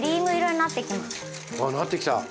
あなってきた。